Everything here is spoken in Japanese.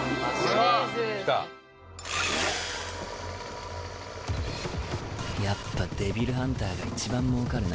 デンジ：やっぱデビルハンターが一番もうかるな。